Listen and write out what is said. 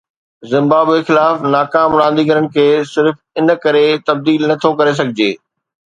Zimbabwe خلاف ناڪام رانديگرن کي صرف ان ڪري تبديل نٿو ڪري سگهجي